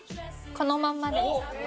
このままで。